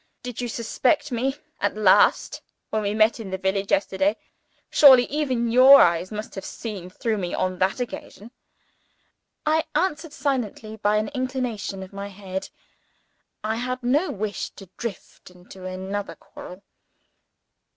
Did you suspect me at last when we met in the village, yesterday? Surely, even your eyes must have seen through me on that occasion!" I answered silently, by an inclination of my head. I had no wish to drift into another quarrel.